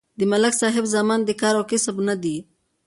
د ملک صاحب زامن د کار او کسب نه دي